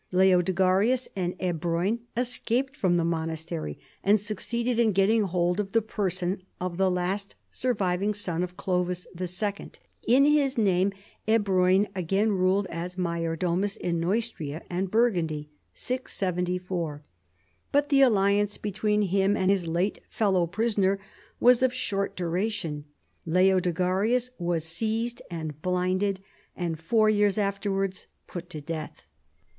Leodegarius and Ebroin escaped from the monastery and succeeded in getting hold of the person of the last surviving son of Clovis IL In his name Ebroin again ruled as major domus in Neustria and Burgundy (674) but the alliance between him and his late fellow prisoner was of short duration. Leodegarius was seized and blinded, and four years afterwards put to death.